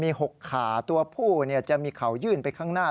มี๖ขาตัวผู้จะมีเข่ายื่นไปข้างหน้า